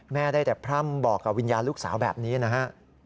ได้แต่พร่ำบอกกับวิญญาณลูกสาวแบบนี้นะฮะ